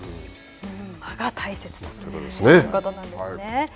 間が大切だということなんですね。